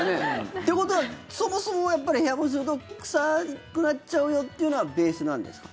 ってことはそもそもやっぱり部屋干しすると臭くなっちゃうよっていうのはベースなんですか？